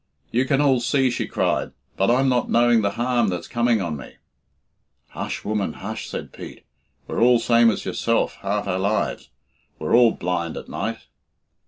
"You can all see," she cried, "but I'm not knowing the harm that's coming on me." "Hush, woman, hush," said Pete; "we're all same as yourself half our lives we're all blind at night."